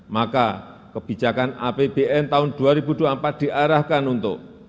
maka kebijakan apbn tahun dua ribu dua puluh empat diarahkan untuk